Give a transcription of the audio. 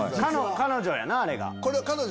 彼女やなあれが。